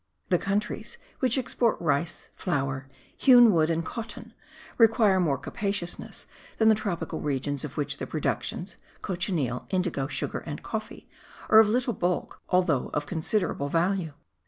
The countries which export rice, flour, hewn wood and cotton require more capaciousness than the tropical regions of which the productions (cochineal, indigo, sugar and coffee) are of little bulk, although of considerable value.)